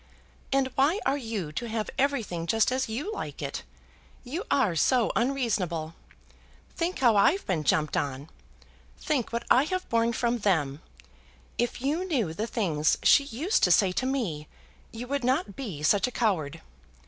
"And why are you to have everything just as you like it? You are so unreasonable. Think how I've been jumped on! Think what I have borne from them! If you knew the things she used to say to me, you would not be such a coward.